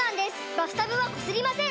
バスタブはこすりません！